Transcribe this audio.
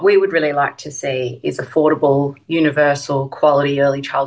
pendidikan kelas awal yang berkualitas universal dan berkualitas